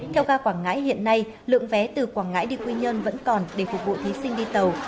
theo ga quảng ngãi hiện nay lượng vé từ quảng ngãi đi quy nhơn vẫn còn để phục vụ thí sinh đi tàu